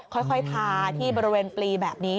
ค่อยทาที่บริเวณปลีแบบนี้